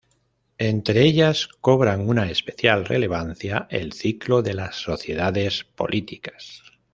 Entre ellas cobran una especial relevancia "El ciclo de las sociedades políticas.